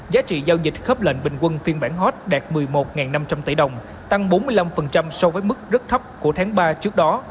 giá trị giao dịch khớp lệnh bình quân phiên bản hot đạt một mươi một năm trăm linh tỷ đồng tăng bốn mươi năm so với mức rất thấp của tháng ba trước đó